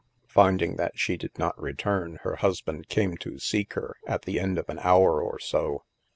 Finding that she did not return, her husband came to seek her, at the end of an hour or so.